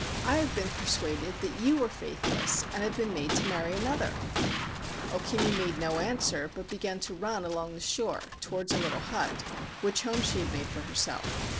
I have been persuaded that you were faithless, and have been made to marry another !' O Kimi made no answer, but began to run along the shore towards a little hut, which home she had made for herself.